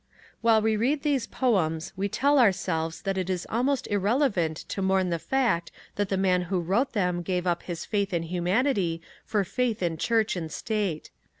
While we read these poems we tell ourselves that it is almost irrelevant to mourn the fact that the man who wrote them gave up his faith in humanity for faith in Church and State.